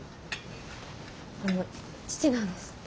あの父なんです。